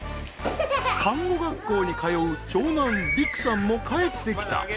看護学校に通う長男璃育さんも帰ってきた。